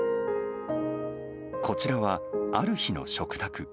こちらは、ある日の食卓。